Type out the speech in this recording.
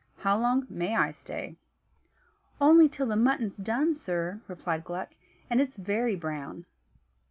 How long may I stay?" "Only till the mutton's done, sir," replied Gluck, "and it's very brown."